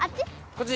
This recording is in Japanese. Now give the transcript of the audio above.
こっち？